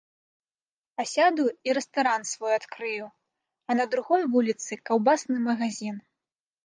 Асяду і рэстаран свой адкрыю, а на другой вуліцы каўбасны магазін.